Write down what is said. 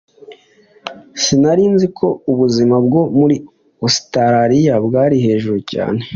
Sinari nzi ko ubuzima bwo muri Ositaraliya bwari hejuru cyane.